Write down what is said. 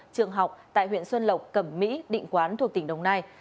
trường học tại huyện xuân lộc cẩm mỹ định quán thuộc tỉnh đồng nai